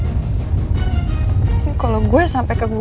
iya sabar sebentar lagi juga sampe ke rumah sakit